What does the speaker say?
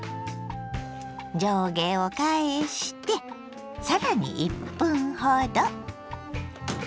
上下を返してさらに１分ほど。